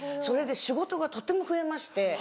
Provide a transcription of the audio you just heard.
それで仕事がとても増えまして。